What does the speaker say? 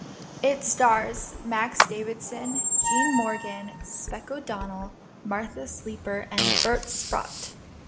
It stars Max Davidson, Gene Morgan, Spec O'Donnell, Martha Sleeper, and Bert Sprotte.